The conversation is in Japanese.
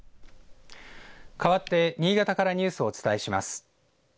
かわって新潟からニュースをお伝えします。